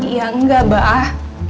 iya nggak bah